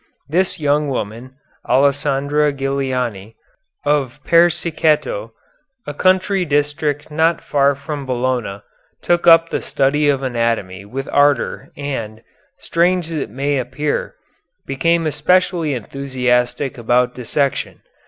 This young woman, Alessandra Giliani, of Persiceto, a country district not far from Bologna, took up the study of anatomy with ardor and, strange as it may appear, became especially enthusiastic about dissection.